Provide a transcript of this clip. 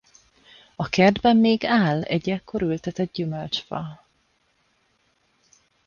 A kertben még áll egy ekkor ültetett gyümölcsfa.